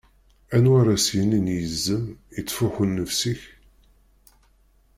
Anwa ara as-yinin i yizem: "Ittfuḥu nnefs-ik"?